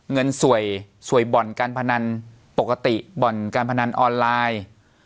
เงินสวยสวยบ่อนการพนันปกติบ่อนการพนันออนไลน์